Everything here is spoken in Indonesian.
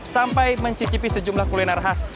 sampai mencicipi sejumlah kuliner khas